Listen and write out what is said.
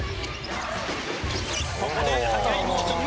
ここで速いモーション。